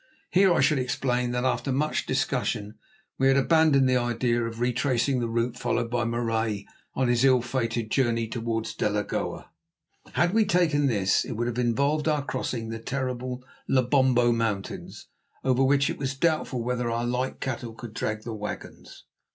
Here I should explain that after much discussion we had abandoned the idea of retracing the route followed by Marais on his ill fated journey towards Delagoa. Had we taken this it would have involved our crossing the terrible Lobombo Mountains, over which it was doubtful whether our light cattle could drag the wagons.